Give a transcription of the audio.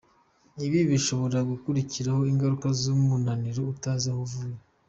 Ibi bishobora kukugiraho ingaruka z’umunaniro utazi aho uvuye.